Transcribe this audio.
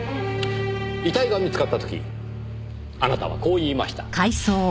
遺体が見つかった時あなたはこう言いました。